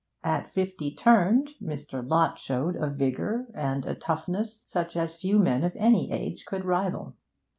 At fifty turned, Mr. Lott showed a vigour and a toughness such as few men of any age could rival.